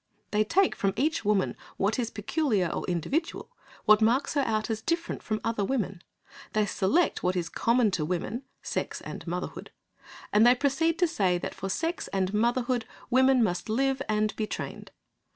They take from each woman what is peculiar or individual, what marks her out as different from other women; they select what is common to women, sex and motherhood, and they proceed to say that for sex and motherhood women must live and be trained.